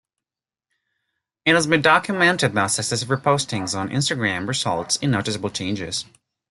It has been documented that successive repostings on Instagram results in noticeable changes.